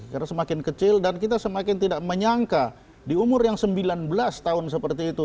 karena semakin kecil dan kita semakin tidak menyangka di umur yang sembilan belas tahun seperti itu